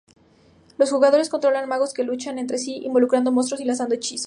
Los jugadores controlan magos que luchan entre sí invocando monstruos y lanzando hechizos.